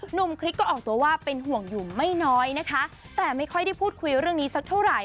คริสก็ออกตัวว่าเป็นห่วงอยู่ไม่น้อยนะคะแต่ไม่ค่อยได้พูดคุยเรื่องนี้สักเท่าไหร่